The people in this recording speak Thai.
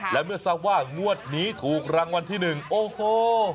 และเมื่อทราบว่างวดนี้ถูกรางวัลที่๑โอ้โห